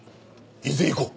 伊豆へ行こう！